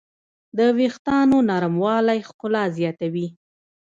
د وېښتیانو نرموالی ښکلا زیاتوي.